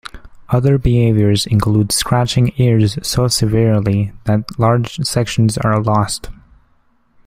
Other behaviours include scratching ears so severely that large sections are lost.